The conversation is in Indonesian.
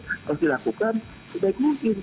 harus dilakukan sebaik mungkin